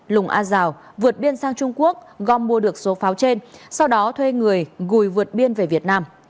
lùng a giào vượt biên sang trung quốc gom mua được số pháo trên sau đó thuê người gùi vượt biên về việt nam